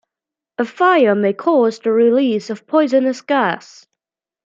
A fire may cause the release of poisonous gas.